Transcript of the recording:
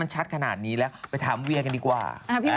ชัดขนาดนี้แล้วไปถามเวียกันดีกว่า